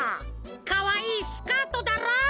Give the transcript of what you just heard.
かわいいスカートだろ？